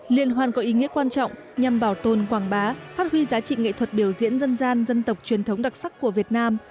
liên hoan có ý nghĩa quan trọng nhằm bảo tồn quảng bá phát huy giá trị nghệ thuật biểu diễn dân gian dân tộc truyền thống đặc sắc của việt nam